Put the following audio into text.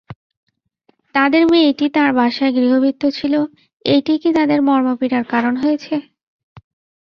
তাঁদের মেয়েটি তাঁর বাসায় গৃহভৃত্য ছিল, এইটিই কি তাঁদের মর্মপীড়ার কারণ হয়েছে?